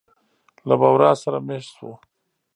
له بورا سره مېشت شوو.